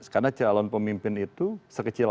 karena calon pemimpin itu sekecil